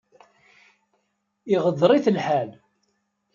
Iɣḍer-it lḥal.